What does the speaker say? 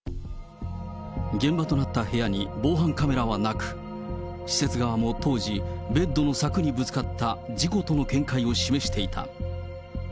現場となった部屋に防犯カメラはなく、施設側も当時、ベッドの柵にぶつかった事故との見解を示していた。